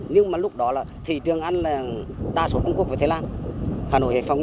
nhưng mà lúc đó là thị trường ăn đa số trung quốc với thái lan hà nội hệ phóng